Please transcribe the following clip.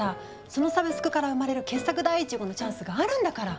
そのサブスクから生まれる傑作第１号のチャンスあるんだから。